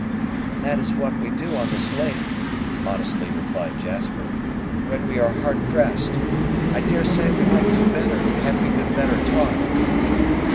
"That is what we do on this lake," modestly replied Jasper, "when we are hard pressed. I daresay we might do better, had we been better taught."